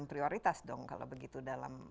prioritas dong kalau begitu dalam